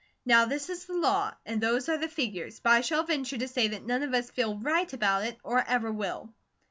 Now this is the law, and those are the figures, but I shall venture to say that none of us feel RIGHT about it, or ever will."